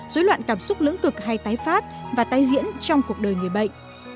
dối loạn cảm xúc lưỡng cực hay tái phát và tái diễn trong cuộc đời người bệnh